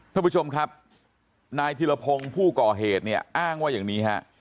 ท่านผู้ชมครับนายธิรพงศ์ผู้ก่อเหตุเนี่ยอ้างว่าอย่างนี้ฮะ